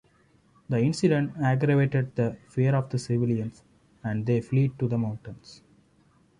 The incident aggravated the fear of the civilians and they fled to the mountains.